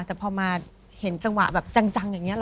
แต่พอมาเห็นจังหวะแบบจังอย่างนี้ห